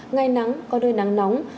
ngay nắng có nơi nắng nóng